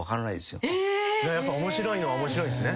やっぱ面白いのは面白いんすね。